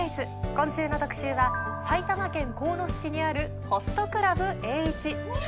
今週の特集は埼玉県鴻巣市にあるホストクラブエーイチ